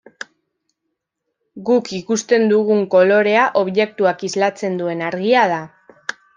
Guk ikusten dugun kolorea objektuak islatzen duen argia da.